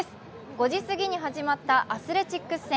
５時過ぎに始まったアスレチックス戦。